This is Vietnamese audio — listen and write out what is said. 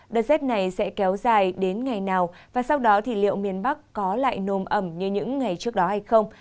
đợt rét này sẽ kéo dài đến ngày nào và sau đó thì liệu miền bắc có lại nồm ẩm như những ngày trước đó hay không